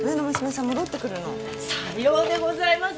さようでございます。